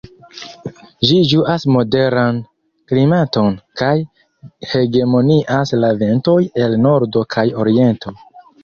Ĝi ĝuas moderan klimaton, kaj hegemonias la ventoj el nordo kaj oriento.